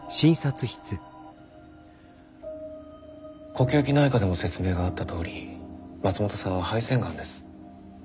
呼吸器内科でも説明があったとおり松本さんは肺腺がんです。